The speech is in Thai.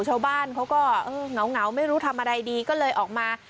ชาวบ้านเขาก็เหงาไม่รู้ทำอะไรดีก็เลยออกมา